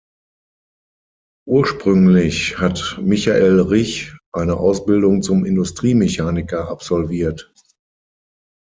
Ursprünglich hat Michael Rich eine Ausbildung zum Industriemechaniker absolviert.